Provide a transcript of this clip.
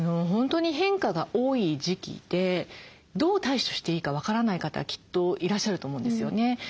本当に変化が多い時期でどう対処していいか分からない方きっといらっしゃると思うんですよね。